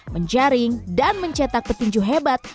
menjaring dan mencetak petinju hebat